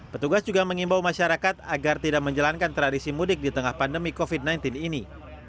petugas juga mengimbau masyarakat agar tidak menjalankan tradisi mudik di tengah pandemi covid sembilan belas ini